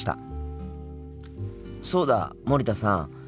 そうだ森田さん。